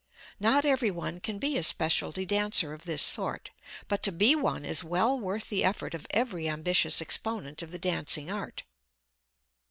Not everyone can be a specialty dancer of this sort, but to be one is well worth the effort of every ambitious exponent of the dancing art.